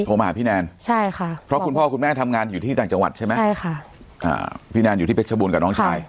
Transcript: โทรมาหาพี่แนนพ่อคุณพ่อคุณแม่ทำงานอยู่ที่ต่างจังหวัดใช่ไหมพี่แนนอยู่ที่เป็ดชะบุญกับน้องชาย